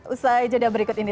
usai jeda berikut ini